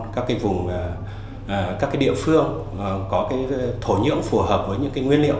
các cái vùng các cái địa phương có cái thổ nhưỡng phù hợp với những cái nguyên liệu